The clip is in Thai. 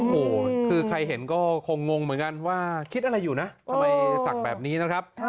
โอ้โหคือใครเห็นก็คงงเหมือนกันว่าคิดอะไรอยู่นะทำไมศักดิ์แบบนี้นะครับ